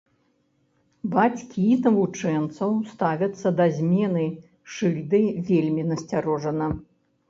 Бацькі навучэнцаў ставяцца да змены шыльды вельмі насцярожана.